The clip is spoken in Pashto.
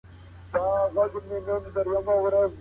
کورونو ته ستنې کړې. همداسي په پنځمه هجري